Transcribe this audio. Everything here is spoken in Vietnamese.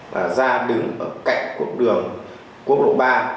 và ra đứng cạnh cuộc đường quốc lộ ba